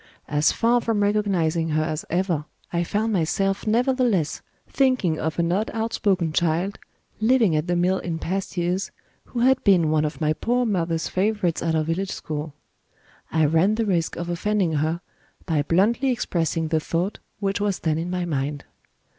As far from recognizing her as ever, I found myself nevertheless thinking of an odd outspoken child, living at the mill in past years, who had been one of my poor mother's favorites at our village school. I ran the risk of offending her, by bluntly expressing the thought which was then in my mind.